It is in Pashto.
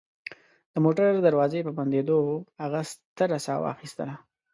د موټر دروازې په بندېدو هغه ستره ساه واخیستله